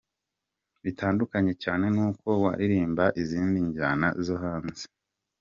Bitandukanye cyane n’uko waririmba izindi njyana zo hanze.